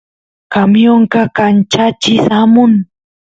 camionqa kanchachis amun